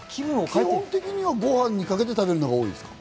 基本的にはご飯にかけて食べるのが多いですか？